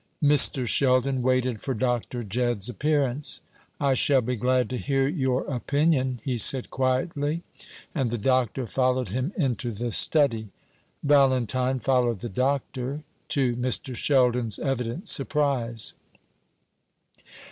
Mr. Sheldon waited for Dr. Jedd's appearance. "I shall be glad to hear your opinion," he said quietly; and the Doctor followed him into the study. Valentine followed the Doctor, to Mr. Sheldon's evident surprise.